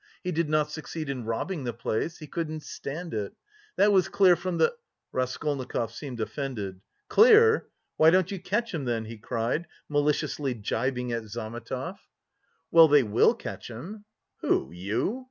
He did not succeed in robbing the place, he couldn't stand it. That was clear from the..." Raskolnikov seemed offended. "Clear? Why don't you catch him then?" he cried, maliciously gibing at Zametov. "Well, they will catch him." "Who? You?